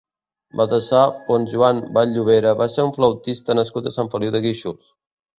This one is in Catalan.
Baltasar Ponsjoan Vall-llovera va ser un flautista nascut a Sant Feliu de Guíxols.